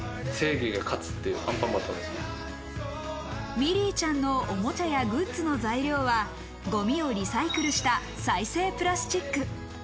ミリーちゃんのおもちゃやグッズの材料はゴミをリサイクルした再生プラスチック。